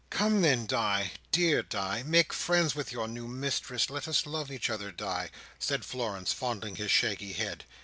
"Come, then, Di! Dear Di! Make friends with your new mistress. Let us love each other, Di!" said Florence, fondling his shaggy head.